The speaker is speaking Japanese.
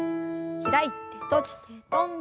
開いて閉じて跳んで。